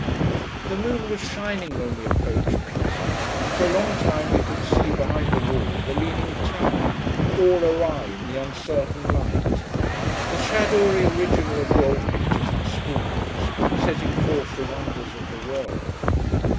The moon was shining when we approached Pisa, and for a long time we could see, behind the wall, the leaning Tower, all awry in the uncertain light; the shadowy original of the old pictures in school books, setting forth 'The Wonders of the World.